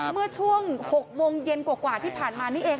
เมื่อช่วง๖โมงเย็นกว่าที่ผ่านมานี่เอง